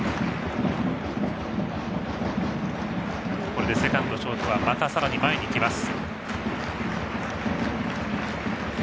これでセカンド、ショートはまたさらに前に行きます。